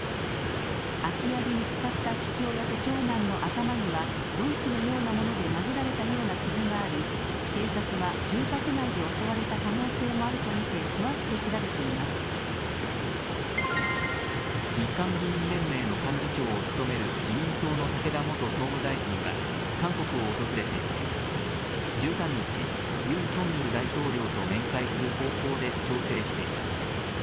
空き家で見つかった父親と長男の頭には鈍器のようなもので殴られたような傷があり警察は住宅内で襲われた可能性もあると見て日韓議員連盟の幹事長を務める自民党の武田元総務大臣は韓国を訪れていて１３日ユン・ソンニョル大統領と面会する方向で調整しています。